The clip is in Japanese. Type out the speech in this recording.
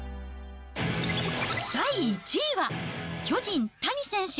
第１位は、巨人、谷選手。